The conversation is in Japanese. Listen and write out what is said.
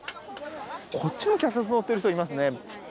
こっちも脚立に乗っている人いますね。